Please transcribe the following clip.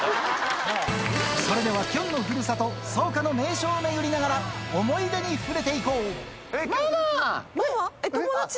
それでは、きょんのふるさと、草加の名所を巡りながら、思い出に触れていこう。